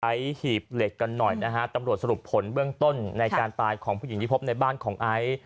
หีบเหล็กกันหน่อยนะฮะตำรวจสรุปผลเบื้องต้นในการตายของผู้หญิงที่พบในบ้านของไอซ์